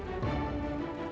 kamu yang asing ya